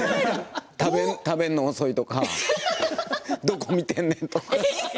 食べるの遅いとかどこを見てんねんとか。